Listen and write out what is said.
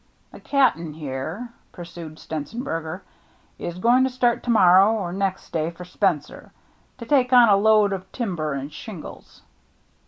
" The Cap'n here," pursued Stenzenberger, " is going to start to morrow or next day for Spencer, to take on a load of timber and shin gles."